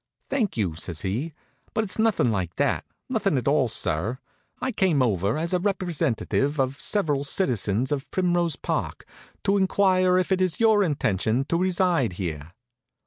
"Thank you," says he; "but it's nothing like that; nothing at all, sir. I came over as the representative of several citizens of Primrose Park, to inquire if it is your intention to reside here."